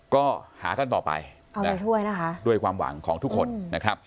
ก็หากันต่อไปเอาใจช่วยนะคะด้วยความหวังของทุกคนนะครับ